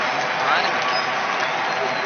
മാറി നിക്ക്